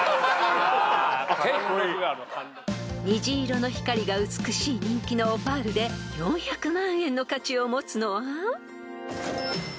［虹色の光が美しい人気のオパールで４００万円の価値を持つのは］